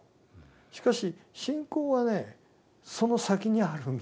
しかし信仰はねその先にあるんです。